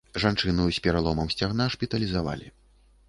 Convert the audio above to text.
Жанчыну з пераломам сцягна шпіталізавалі.